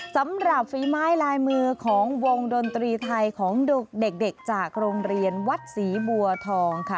สำหรับฝีไม้ลายมือของวงดนตรีไทยของเด็กจากโรงเรียนวัดศรีบัวทองค่ะ